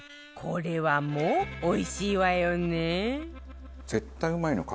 これはもうおいしいわよね